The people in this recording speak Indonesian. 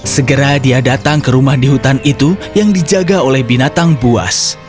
segera dia datang ke rumah di hutan itu yang dijaga oleh binatang buas